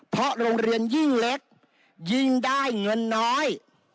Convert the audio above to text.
เพราะโรงเรียนยิ่งเล็กยิ่งได้เงินน้อย